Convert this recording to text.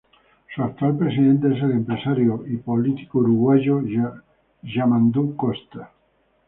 Su actual presidente es el empresario y político uruguayo Yamandú Costa.